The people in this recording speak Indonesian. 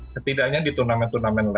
setidaknya di turnamen level tinggi